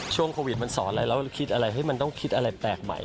ช่วงโควิดมันสอนอะไรแล้วคิดอะไรให้มันต้องคิดอะไรแปลกใหม่